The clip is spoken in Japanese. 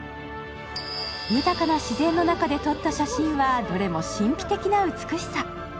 豊かな自然の中で撮った写真はどれも神秘的な美しさ。